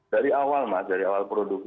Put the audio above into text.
dari awal mas dari awal produk